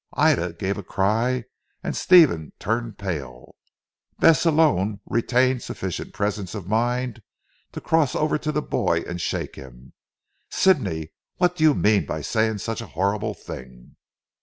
Ida gave a cry and Stephen turned pale. Bess alone retained sufficient presence of mind to cross over to the boy and shake him, "Sidney, what do you mean by saying such a horrible thing."